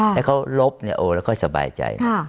แล้วเขาลบเนี่ยโอ้แล้วก็สบายใจนะ